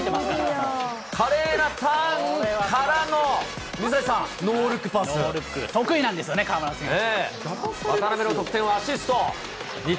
華麗なターンからの水谷さん、得意なんですよね、河村選手。